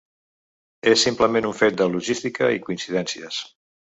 És simplement un fet de logística i coincidències.